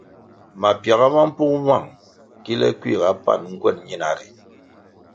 Mapiaga ma mpung nwang kile kuiga pan nguen ñina ri.